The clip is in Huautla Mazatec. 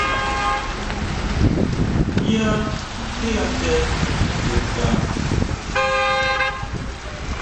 ¿Yá tíʼate chuta?